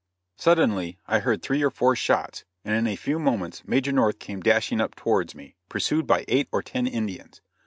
] Suddenly I heard three or four shots, and in a few moments Major North came dashing up towards me, pursued by eight or ten Indians.